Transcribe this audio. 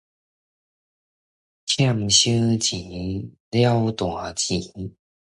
儉小錢，了大錢